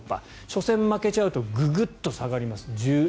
初戦負けちゃうとググッと下がります、１１％。